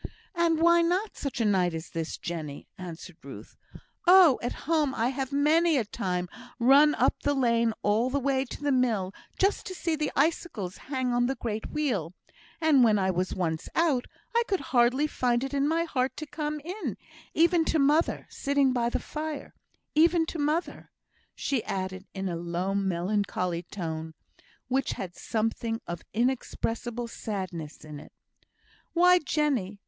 "And why not such a night as this, Jenny?" answered Ruth. "Oh! at home I have many a time run up the lane all the way to the mill, just to see the icicles hang on the great wheel; and when I was once out, I could hardly find in my heart to come in, even to mother, sitting by the fire; even to mother," she added, in a low, melancholy tone, which had something of inexpressible sadness in it. "Why, Jenny!"